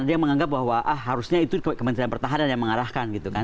ada yang menganggap bahwa harusnya itu kementerian pertahanan yang mengarahkan gitu kan